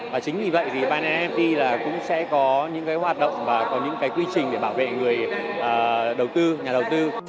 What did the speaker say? và chính vì vậy nft cũng sẽ có những hoạt động và những quy trình để bảo vệ người đầu tư nhà đầu tư